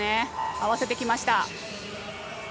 合わせてきました。